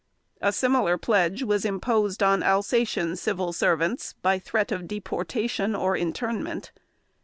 A similar pledge was imposed on Alsatian civil servants by threat of deportation or internment.